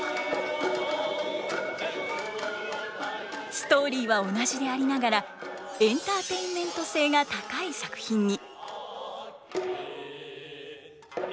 ストーリーは同じでありながらエンターテインメント性が高い作品に。